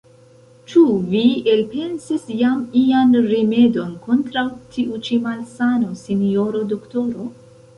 Ĉu vi elpensis jam ian rimedon kontraŭ tiu ĉi malsano, sinjoro doktoro?